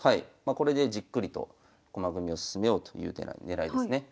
これでじっくりと駒組みを進めようという手が狙いですね。